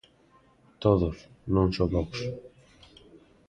Todos, non só Vox.